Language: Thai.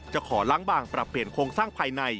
ขอล้างบางปรับเปลี่ยนโครงสร้างภายใน